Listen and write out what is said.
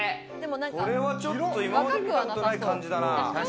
これはちょっと今まで見たことない感じだな。